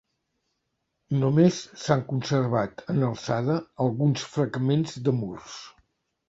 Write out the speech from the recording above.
Només s'han conservat en alçada alguns fragments de murs.